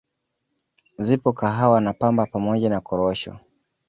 Zipo Kahawa na Pamba pamoja na Korosho